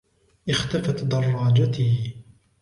اختفت دراجتي.